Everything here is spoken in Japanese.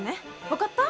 分かった？